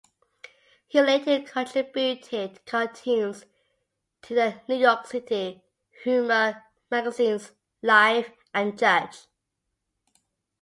He later contributed cartoons to the New York City humor magazines "Life" and "Judge".